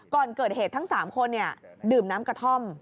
ก่อนเกิดเหตุทั้ง๓คนดื่มน้ำกระท่อม